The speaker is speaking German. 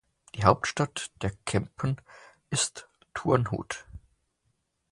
Die Hauptstadt der Kempen ist Turnhout.